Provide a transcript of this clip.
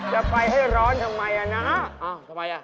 จะไปให้ร้อนทำไมอ่ะนะอ้าวทำไมอ่ะ